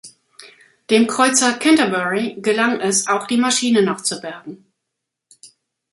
Dem Kreuzer "Canterbury" gelang es, auch die Maschine noch zu bergen.